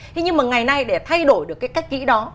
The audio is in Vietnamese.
thế nhưng mà ngày nay để thay đổi được cái cách kỹ đó